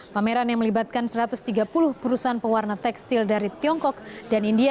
pameran yang melibatkan satu ratus tiga puluh perusahaan pewarna tekstil dari tiongkok dan india